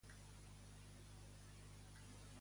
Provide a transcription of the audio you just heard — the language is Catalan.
Què conté la revista BiD?